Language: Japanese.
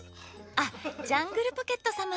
あっジャングルポケット様。